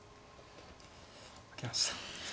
負けました。